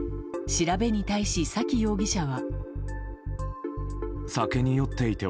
調べに対し、崎容疑者は。